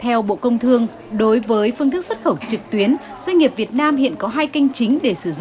theo bộ công thương đối với phương thức xuất khẩu trực tuyến doanh nghiệp việt nam hiện có hai kênh chính